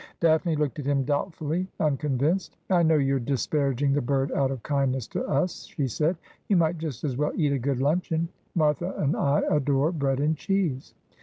Daphne looked at him doubtfully, unconvinced. ' I know you're disparaging the bird out of kindness to us,' she said ;' you might just as well eat a good luncheon. Martha and I adore bread and cheese.'